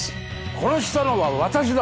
殺したのは私だ！